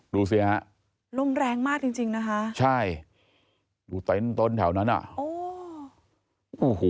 ดูสิฮะลมแรงมากจริงจริงนะคะใช่ดูเต็นต์ต้นแถวนั้นอ่ะโอ้โห